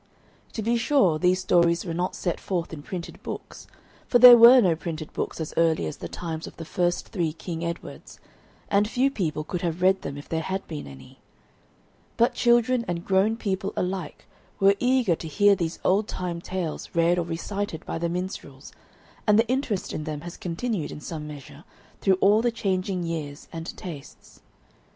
To be sure, these stories were not set forth in printed books, for there were no printed books as early as the times of the first three King Edwards, and few people could have read them if there had been any. But children and grown people alike were eager to hear these old time tales read or recited by the minstrels, and the interest in them has continued in some measure through all the changing years and tastes.